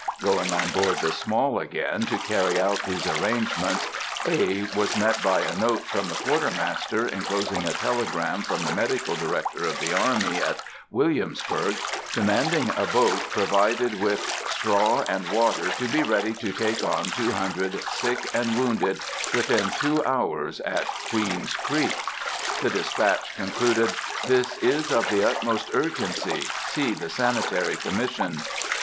Going on board the Small again to carry out these arrangements, A. was met by a note from the Quartermaster enclosing a telegram from the Medical Director of the army at Williamsburg, demanding a boat provided with "straw and water to be ready to take on two hundred sick and wounded within two hours at Queen's Creek." The despatch concluded, "This is of the utmost urgency. See the Sanitary Commission."